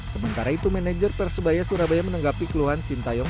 sementara itu manajer persebaya surabaya menanggapi keluhan sintayong